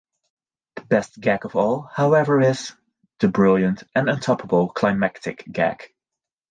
The best gag of all, however, is the... brilliant and untoppable climactic gag.